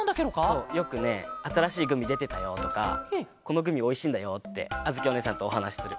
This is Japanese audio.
そうよくね「あたらしいグミでてたよ」とか「このグミおいしいんだよ」ってあづきおねえさんとおはなしする。